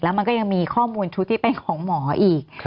มันก็ยังมีข้อมูลชุดที่เป็นของหมออีก